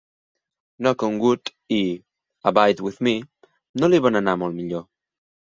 "Knock on Wood" i "Abide With Me" no li van anar molt millor.